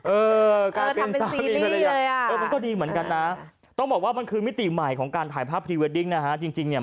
เออทำเป็นซีรีส์เลยอ่ะ